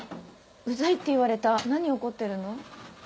ウザいって言われた何怒ってるの？